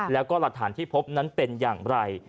แล้วก็หลักฐานที่พบนั้นเป็นอย่างไร